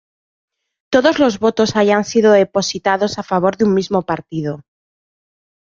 Todos los votos hayan sido depositados a favor de un mismo partido.